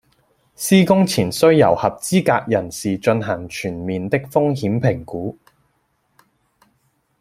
施工前須由合資格人士進行全面的風險評估